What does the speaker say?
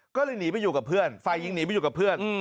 ก็เลยหนีไปอยู่กับเพื่อนฝ่ายหญิงหนีไปอยู่กับเพื่อน